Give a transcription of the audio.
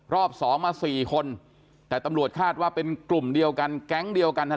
รอบสองมาสี่คนแต่ตำรวจคาดว่าเป็นกลุ่มเดียวกันแก๊งเดียวกันนั่นแหละ